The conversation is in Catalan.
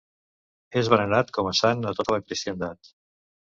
És venerat com a sant a tota la cristiandat.